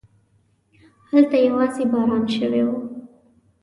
هلته يواځې باران شوی و.